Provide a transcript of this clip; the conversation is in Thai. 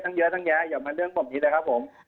เยอะตั้งแยะอย่ามาเรื่องแบบนี้เลยครับผม